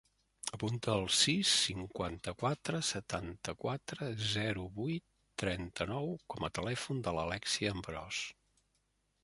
Apunta el sis, cinquanta-quatre, setanta-quatre, zero, vuit, trenta-nou com a telèfon de l'Alèxia Ambros.